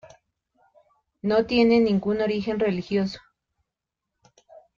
No tiene ningún origen religioso.